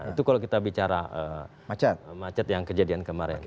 itu kalau kita bicara macet yang kejadian kemarin